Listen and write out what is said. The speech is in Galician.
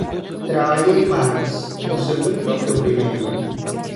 Traballei máis o segundo que o primeiro.